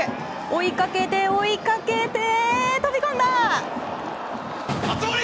追いかけて、追いかけて飛び込んだ！